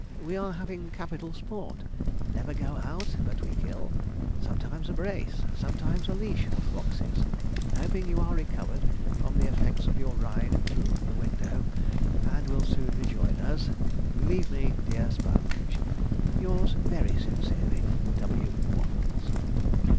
'We are having capital sport; never go out but we kill, sometimes a brace, sometimes a leash of foxes. Hoping you are recovered from the effects of your ride through the window, and will soon rejoin us, believe me, dear Mr. Sponge,' 'Yours very sincerely, 'W. WAFFLES.'